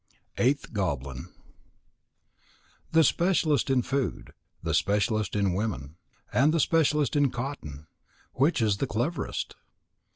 EIGHTH GOBLIN _The Specialist in Food, the Specialist in Women, and the Specialist in Cotton. Which is the cleverest?